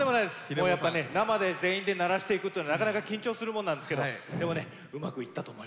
もうやっぱね生で全員で鳴らしていくっていうのはなかなか緊張するもんなんですけどでもねうまくいったと思います。